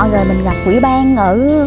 rồi mình gặp quỹ ban ở